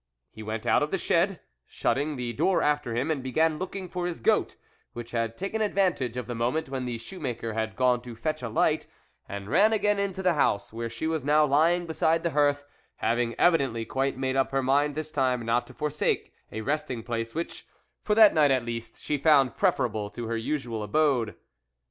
He went out of the shed, shutting the door after him, and began looking for his goat, which had taken advantage of the moment when the shoe maker had gone to fetch a light, and ran again into the house, where she was now lying beside the hearth, having evidently quite made up her mind this time not to forsake a resting place, which, for that night at least, she found preferable to her usual abode.